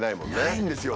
ないんですよ。